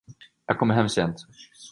Jag kommer hem sent.